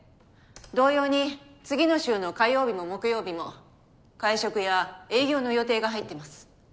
同様に次の週の火曜日も木曜日も会食や営業の予定が入ってます。